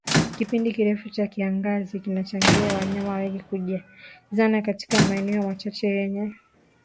Kipindi kirefu cha kiangazi kinachochangia wanyama wengi kujazana katika maeneo machache yenye maji